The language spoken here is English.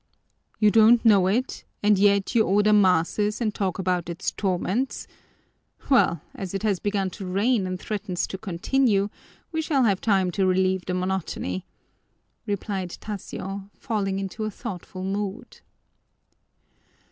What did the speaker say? "You don't know it and yet you order masses and talk about its torments? Well, as it has begun to rain and threatens to continue, we shall have time to relieve the monotony," replied Tasio, falling into a thoughtful mood.